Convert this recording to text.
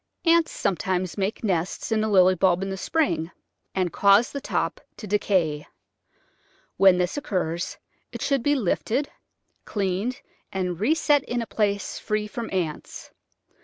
Ants sometimes make nests in the Lily bulb in the spring, and cause the top to decay. When this occurs it should be lifted, cleaned, and reset in a place free from ants.